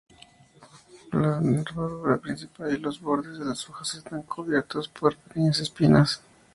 La nervadura principal y los bordes de las hojas están cubiertos por pequeñas espinas.